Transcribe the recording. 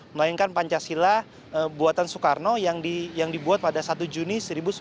melainkan pancasila buatan soekarno yang dibuat pada satu juni seribu sembilan ratus empat puluh